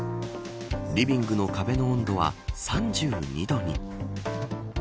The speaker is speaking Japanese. リビングの壁の温度は３２度に。